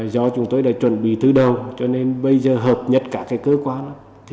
do chúng tôi đã chuẩn bị thứ đầu cho nên bây giờ hợp nhất các cơ quan